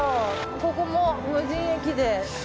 ここも無人駅で。